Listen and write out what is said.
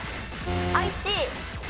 愛知！